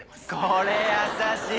これ優しい。